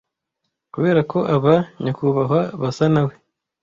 kuberako aba nyakubahwa basa nawe